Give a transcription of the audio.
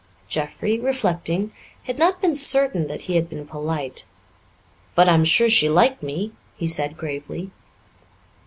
Jeffrey, reflecting, had not been certain that he had been polite; "But I am sure she liked me," he said gravely.